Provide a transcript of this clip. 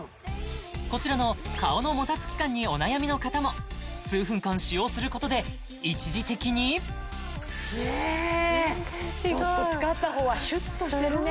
こちらの顔のもたつき感にお悩みの方も数分間使用することで一時的にねえちょっと使ったほうはシュッとしてるね